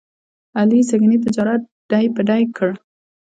علي سږني تجارت ډۍ په ډۍ کړ.